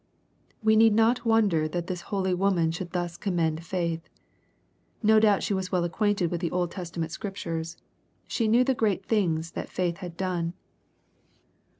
We need not wonder that this holy woman should thus commend faith. No doubt she was well acquainted with the Old Testament Scriptures. She knew the great things that faith had done.